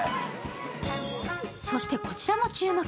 そしてこちらも注目。